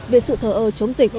về sự thợ hợp của các cộng đồng